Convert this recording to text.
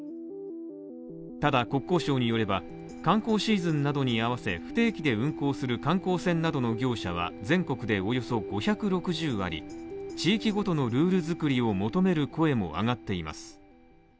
ただ、国交省によれば、観光シーズンなどに合わせ不定期で運航する観光船などの業者は全国でおよそ５６０あり、地域ごとのルール作りを求める声も上がっています。